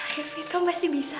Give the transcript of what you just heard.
ya fit kamu pasti bisa